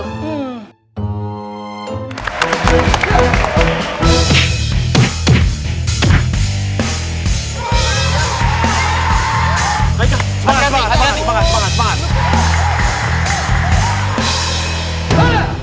semangat semangat semangat semangat